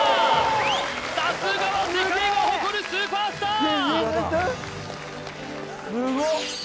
さすがは世界が誇るスーパースター！